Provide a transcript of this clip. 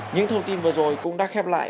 những thông tin vừa rồi cũng đã khép lại